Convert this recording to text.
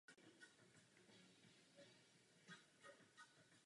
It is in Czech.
Díky své charitativní činnosti byla Ida mezi obyvatelstvem velmi oblíbená.